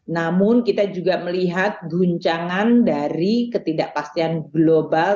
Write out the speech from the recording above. namun kita juga melihat guncangan dari ketidakpastian global